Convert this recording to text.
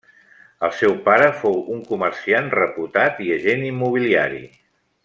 El seu pare fou un comerciant reputat i agent immobiliari.